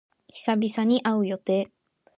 久々に会う予定。